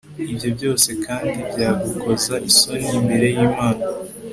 ibyo byose kandi byagukoza isoni imbere y'imana